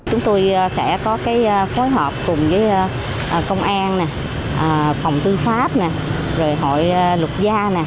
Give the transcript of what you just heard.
chúng tôi sẽ có cái phối hợp cùng với công an phòng tư pháp rồi hội luật gia